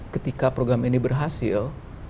ketika program ini berhasil